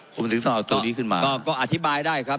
ผมถึงต้องเอาตัวนี้ขึ้นมาก็อธิบายได้ครับ